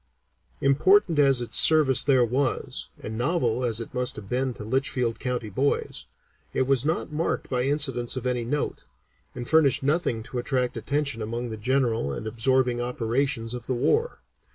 Important as its service there was, and novel as it must have been to Litchfield County boys, it was not marked by incidents of any note, and furnished nothing to attract attention among the general and absorbing operations of the war.